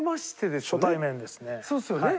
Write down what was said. そうですよね。